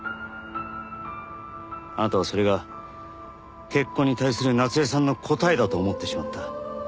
あなたはそれが結婚に対する夏恵さんの答えだと思ってしまった。